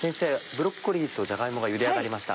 ブロッコリーとじゃが芋がゆで上がりました。